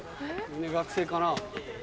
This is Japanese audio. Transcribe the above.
学生かな？